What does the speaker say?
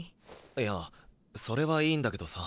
いやそれはいいんだけどさ。